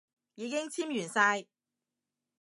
已經簽完晒